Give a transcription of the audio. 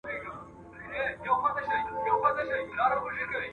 منتظر مي د هغه نسیم رویبار یم `